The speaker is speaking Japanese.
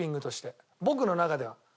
僕の中では。